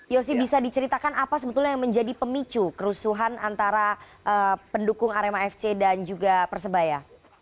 yosi bisa diceritakan apa sebetulnya yang menjadi pemicu kerusuhan antara pendukung arema fc dan juga persebaya